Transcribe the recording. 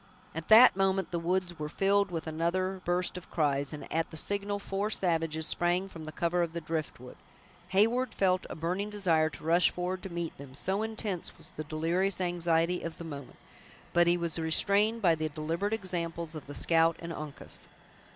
At that moment the woods were filled with another burst of cries, and at the signal four savages sprang from the cover of the driftwood. Heyward felt a burning desire to rush forward to meet them, so intense was the delirious anxiety of the moment; but he was restrained by the deliberate examples of the scout and Uncas.